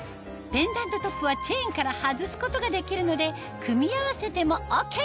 ペンダントトップはチェーンから外すことができるので組み合わせてもＯＫ！